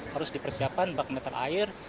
harus dipersiapkan bak meter air